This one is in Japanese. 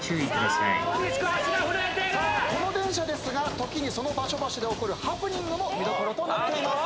さあこの電車ですが時にその場所場所で起こるハプニングも見どころとなっています。